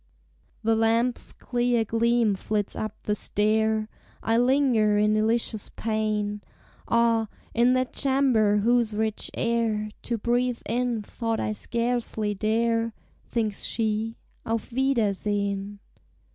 The lamp's clear gleam flits up the stair; I linger in delicious pain; Ah, in that chamber, whose rich air To breathe in thought I scarcely dare, Thinks she, "Auf wiedersehen!"